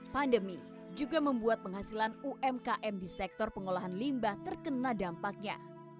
pandemi juga membuat penghasilan umkm di sektor pengolahan limbah terkena dampaknya